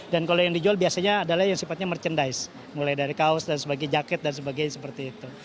dan kalau yang dijual biasanya adalah yang sifatnya merchandise mulai dari kaos dan sebagai jaket dan sebagainya seperti itu